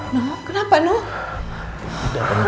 noh kenapa noh